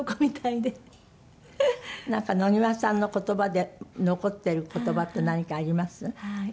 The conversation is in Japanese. なんか野際さんの言葉で残ってる言葉って何かあります？